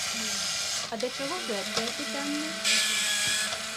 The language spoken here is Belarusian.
А да чаго гэтае пытанне?